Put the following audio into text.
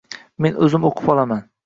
Men o‘zim o‘qib olaman.